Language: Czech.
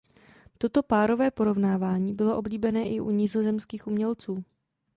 Toto párové porovnávání bylo oblíbené i u nizozemských umělců.